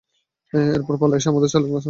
এরপর পালা আসে আমাদের চালাক দাদী, কুসুমের।